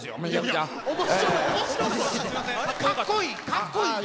かっこいい。